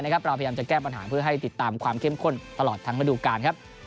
เราพยายามจะแก้ปัญหาเพื่อให้ติดตามความเข้มข้นตลอดทั้งระดูการครับ